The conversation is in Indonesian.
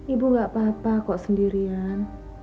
ibu gak apa apa kok sendirian